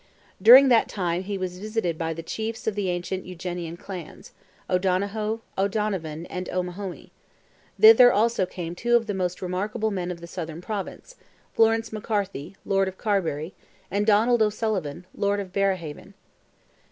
During that time he was visited by the chiefs of the ancient Eugenian clans—O'Donohoe, O'Donovan, and O'Mahoney: thither also came two of the most remarkable men of the southern Province, Florence McCarthy, Lord of Carberry, and Donald O'Sullivan, Lord of Bearehaven.